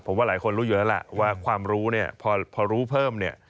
ผมว่าหลายคนรู้อยู่แล้วล่ะว่าความรู้เนี่ยพอรู้เพิ่มเนี่ย